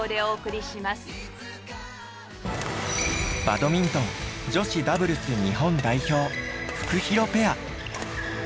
バドミントン女子ダブルス日本代表フクヒロペア。